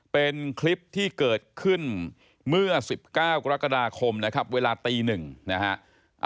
เป็นคลิปที่เกิดขึ้นเมื่อ๑๙กรกฎาคมนะครับเวลาตี๑นะฮะ